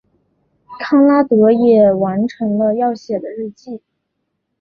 康拉德也完成了要写的日记。